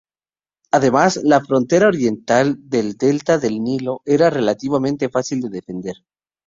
Además, la frontera oriental del delta del Nilo era relativamente fácil de defender.